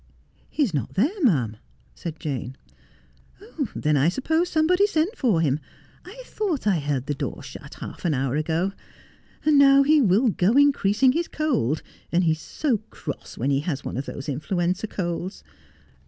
'He's not there, ma'am,' said Jane. ' Then I suppose somebody sent for him. I thought I heard the door shut half an hour ago. And now he will go increas ing his cold. And he is so cross when he has one of those influenza colds.